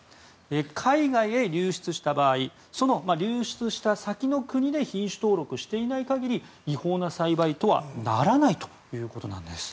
海外へ流出した場合その流出した先の国で品種登録していない限り違法な栽培とはならないということなんです。